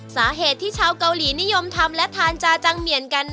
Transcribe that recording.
สาเหตุที่ชาวเกาหลีนิยมทำและทานจาจังเหมียนกัน